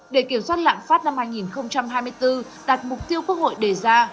để kiểm soát lạm phát năm hai nghìn hai mươi bốn đạt mục tiêu quốc hội đề ra